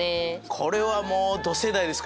これはもうド世代ですか？